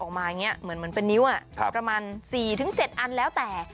ออกมาอย่างเงี้ยเหมือนมันเป็นนิ้วประมาณสี่ถึงเจ็ดอันแล้วแต่